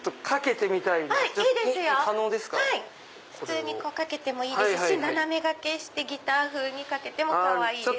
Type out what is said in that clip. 普通に掛けてもいいですし斜め掛けしてギター風に掛けてもかわいいです。